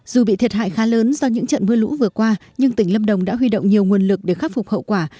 dù bị thiệt hại khá lớn do những trận mưa lũ vừa qua nhưng tỉnh lâm đồng đã huy động nhiều nguồn lực để khắc phục hậu quả